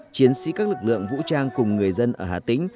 chiến sĩ các lực lượng vũ trang cùng người dân ở hà tĩnh